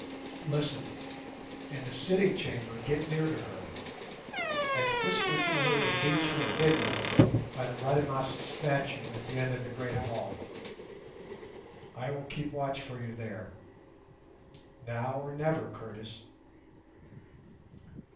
Listen. In the sitting chamber get near to her, and whisper to her to meet you at midnight by the Rademas statue at the end of the great hall. I will keep watch for you there. Now or never, Curtis."